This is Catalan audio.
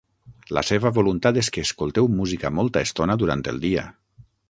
La seva voluntat és que escolteu música molta estona durant el dia.